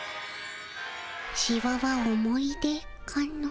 シワは思い出かの。